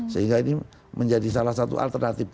sehingga ini menjadi salah satu alternatif